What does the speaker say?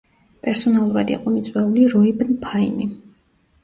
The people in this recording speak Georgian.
პერსონალურად იყო მიწვეული როიბნ ფაინი.